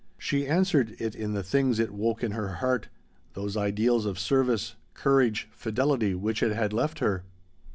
She answered it in the things it woke in her heart: those ideals of service, courage, fidelity which it had left her.